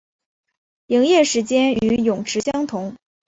营业时间与泳池相同。